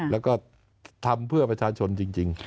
แล้วก็ทำเพื่อประชาชนจริง